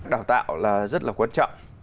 đào tạo là rất là quan trọng